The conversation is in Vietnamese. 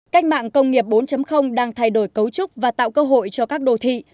cách mạng công nghiệp bốn đang thay đổi cấu trúc và tạo cơ hội cho các đô thị